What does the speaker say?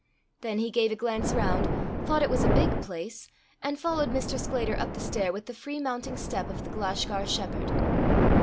Then he gave a glance round, thought it was a big place, and followed Mr. Sclater up the stair with the free mounting step of the Glashgar shepherd.